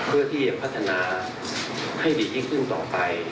เพื่อที่จะพัฒนาให้ดียิ่งขึ้นต่อไป